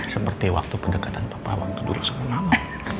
seperti waktu pendekatan bapak waktu dulu sama mama